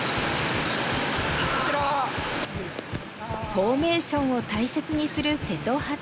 フォーメーションを大切にする瀬戸八段。